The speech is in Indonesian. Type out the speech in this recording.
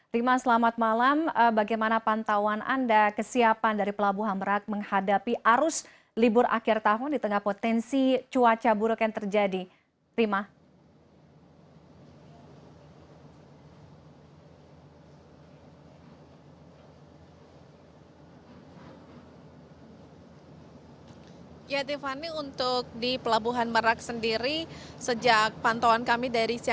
rima selamat malam bagaimana pantauan anda kesiapan dari pelabuhan merak menghadapi arus libur akhir tahun di tengah potensi cuaca buruk yang terjadi